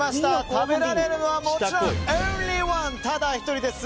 食べられるのはオンリーワンただ１人です。